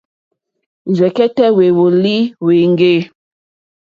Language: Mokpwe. Rzɛ̀kɛ́tɛ́ hwèwɔ́lì hwéŋɡê.